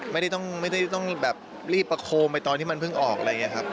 ไม่ได้ต้องแบบรีบประโคมไปตอนที่มันเพิ่งออกอะไรอย่างนี้ครับ